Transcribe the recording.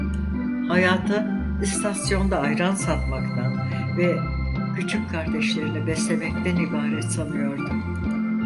Hayatı istasyonda ayran satmaktan ve küçük kardeşlerini beslemekten ibaret sanıyordu.